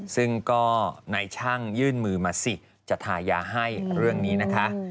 ซึ่งก็นายช่างยื่นมือมาสิจะทายาให้เรื่องนี้นะคะ